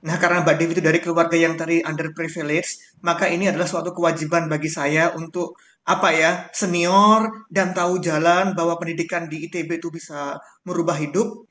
nah karena mbak div itu dari keluarga yang tadi under privilege maka ini adalah suatu kewajiban bagi saya untuk senior dan tahu jalan bahwa pendidikan di itb itu bisa merubah hidup